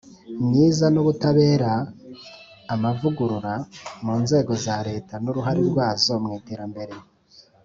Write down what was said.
myiza n ubutabera amavugurura mu nzego za Leta n uruhare rwazo mu iterambere